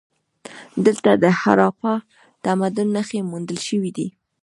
دلته د هراپا تمدن نښې موندل شوي دي